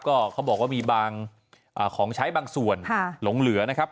ก็เขาบอกว่ามีบางของใช้บางส่วนหลงเหลือนะครับ